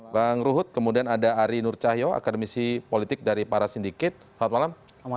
bang ruhut kemudian ada ari nur cahyo akademisi politik dari para sindikit selamat malam